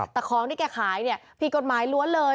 แต่ของที่แกขายเนี่ยผิดกฎหมายล้วนเลย